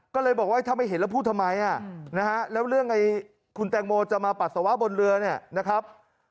ก็เลยบอกว่าถ้าไม่เห็นแล้วพูดทำไมนะฮะแล้วเรื่องไอ้คุณแตงโมจะมาปัสสาวะบนเรือเนี่ยนะครับ